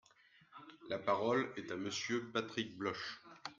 La parole est à Monsieur Patrick Bloche.